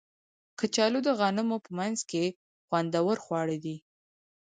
کچالو د غمونو په منځ کې خوندور خواړه دي